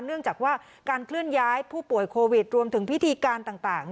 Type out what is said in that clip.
เนื่องจากว่าการเคลื่อนย้ายผู้ป่วยโควิดรวมถึงพิธีการต่าง